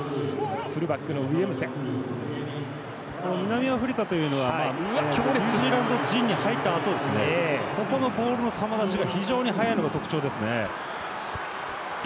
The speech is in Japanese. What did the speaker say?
南アフリカというのはニュージーランド陣に入ったあとここのボールの球出しが非常に早いのが特徴ですね。